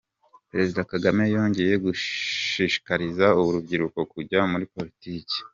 Perezida Kagame yongeye gushikariza urubyiruko kujya muri Politiki.